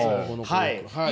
はい。